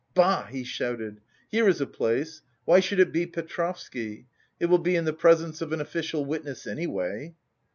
"Bah!" he shouted, "here is a place. Why should it be Petrovsky? It will be in the presence of an official witness anyway...."